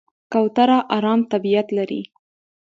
کوتره آرام طبیعت لري.